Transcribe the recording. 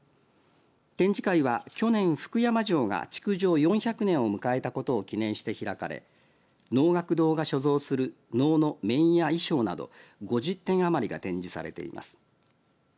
展示会は去年、福山城が築城４００年を迎えたことを記念して開かれ能楽堂が所蔵する能の面や衣装など５０点余りが展示されています。